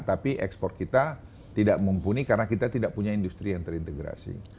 tapi ekspor kita tidak mumpuni karena kita tidak punya industri yang terintegrasi